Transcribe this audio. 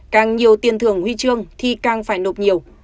càng nhiều tiền thưởng huy chương thì càng phải nộp nhiều